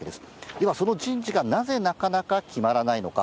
では、その人事がなぜなかなか決まらないのか。